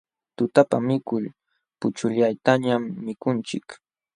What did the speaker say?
Tutapa mikul puchullatañam mikunchik.